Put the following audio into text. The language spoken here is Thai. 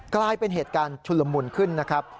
กลายเป็นเหตุการณ์ชุลมุนขึ้นนะครับ